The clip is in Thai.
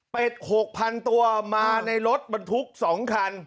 เป็น๖๐๐๐ตัวมาในรถบรรทุก๒คัน